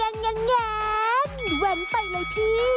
งานวันไปเลยพี่